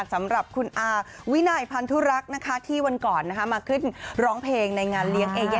สำหรับคุณอาวินัยพันธุรักษ์นะคะที่วันก่อนมาขึ้นร้องเพลงในงานเลี้ยงเอยา